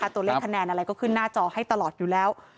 ตัวเลขคะแนนอะไรก็ขึ้นหน้าจอให้ตลอดอยู่แล้ว